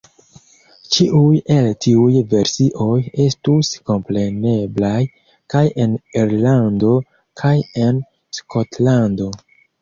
Ĉiuj el tiuj versioj estus kompreneblaj kaj en Irlando kaj en Skotlando.